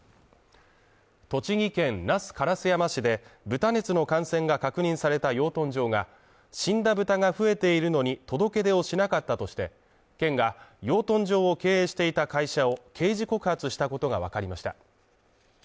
栃木県那須烏山市で豚熱の感染が確認された養豚場が死んだ豚が増えているのに届け出をしなかったとして、県が養豚場を経営していた会社を刑事告発したことがわかりました。